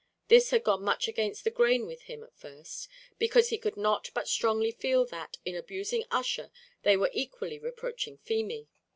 This had gone much against the grain with him at first, because he could not but strongly feel that, in abusing Ussher, they were equally reproaching Feemy.